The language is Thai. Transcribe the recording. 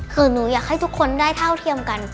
คือหนูอยากให้ทุกคนได้เท่าเทียมกัน